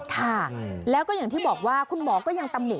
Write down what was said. ค่ะแล้วก็อย่างที่บอกว่าคุณหมอก็ยังตำหนิ